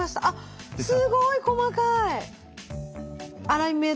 あっすごい細かい！